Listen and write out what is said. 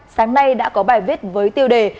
sáng nay đã có bài viết với tiêu đề